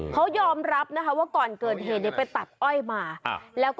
เขายอมรับนะคะว่าก่อนเกิดเหตุเนี่ยไปตัดอ้อยมาแล้วก็